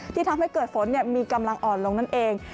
ทำให้เกิดฝนมีกำลังอ่อนลงนั่นเอง